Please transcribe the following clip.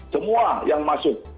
semua yang masuk